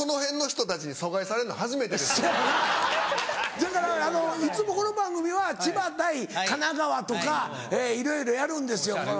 だからいつもこの番組は千葉対神奈川とかいろいろやるんですよ。